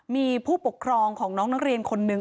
มีผู้ปกครองของน้องนักเรียนคนนึง